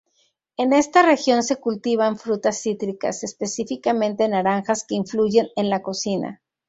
En esta región se cultivan frutas cítricas, específicamente naranjas, que influyen en la cocina.